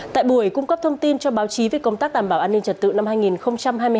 tại buổi cung cấp thông tin cho báo chí về công tác đảm bảo an ninh trật tự năm hai nghìn hai mươi bốn